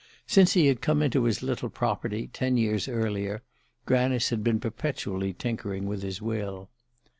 Since he had come into his little property, ten years earlier, Granice had been perpetually tinkering with his will.